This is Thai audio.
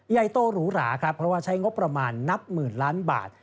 ใหญ่โตหรูหราครับเพราะว่าใช้งบประมาณนับหมื่นล้านบาท